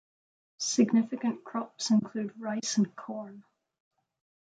Significant crops include rice and corn.